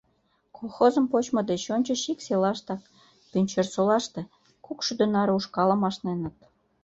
Колхозым почмо деч ончыч ик селаштак, Пӱнчерсолаште, кок шӱдӧ наре ушкалым ашненыт.